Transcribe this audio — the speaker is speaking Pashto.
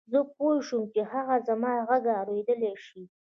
زه پوه شوم چې هغه زما غږ اورېدلای شي.